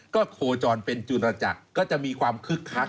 ก็โคจรเป็นจุรจักรก็จะมีความคึกคัก